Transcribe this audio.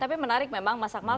tapi menarik memang mas akmal